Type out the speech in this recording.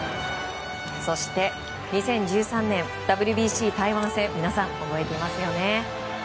そして２０１３年ＷＢＣ台湾戦皆さん覚えていますよね